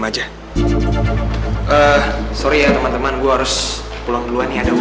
jadi bisa ketemu kamu sama aja ya